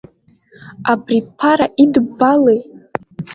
Абри, Ԥара, идыббалеи?